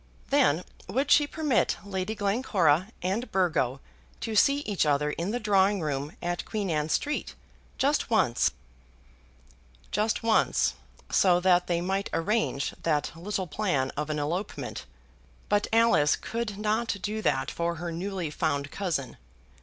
"Then would she permit Lady Glencora and Burgo to see each other in the drawing room at Queen Anne Street, just once!" Just once, so that they might arrange that little plan of an elopement. But Alice could not do that for her newly found cousin.